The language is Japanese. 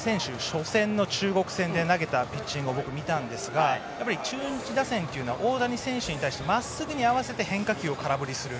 初戦の中国戦でのピッチングを僕は見たんですが中国打線というのは大谷選手に対してまっすぐに合わせて変化球を空振りする。